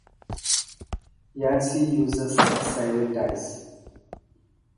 Yahtzee uses six-sided dice.